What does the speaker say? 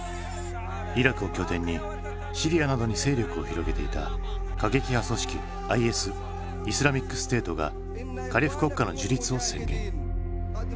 イラクを拠点にシリアなどに勢力を広げていた過激派組織ＩＳ＝イスラミックステートがカリフ国家の樹立を宣言。